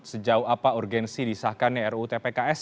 sejauh apa urgensi disahkannya ruu tpks